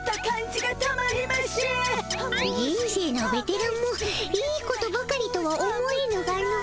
じ人生のベテランもいいことばかりとは思えぬがの。